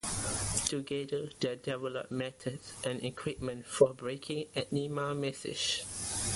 Together they developed methods and equipment for breaking Enigma messages.